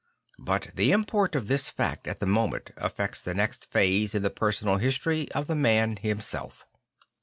But the import of this fact at the moment affects the next phase in the personal history of the man himself.